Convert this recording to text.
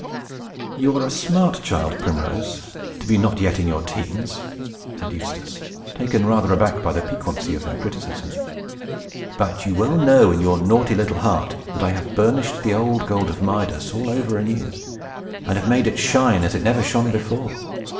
"You are a smart child, Primrose, to be not yet in your teens," said Eustace, taken rather aback by the piquancy of her criticism. "But you well know, in your naughty little heart, that I have burnished the old gold of Midas all over anew, and have made it shine as it never shone before.